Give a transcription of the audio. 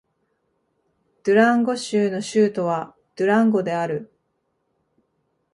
ドゥランゴ州の州都はドゥランゴである